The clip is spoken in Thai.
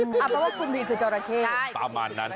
อ๋อเพราะว่าคุณพีชคือเจ้าระเข้